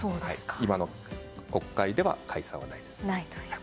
今の国会では解散はないです。